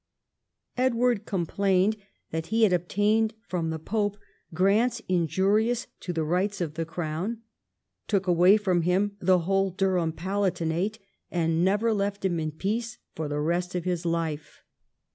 Edward complained that he had obtained from the pope grants injurious to the rights of the crown, took away from him some of his best manors, and never left him in peace for the rest of his life.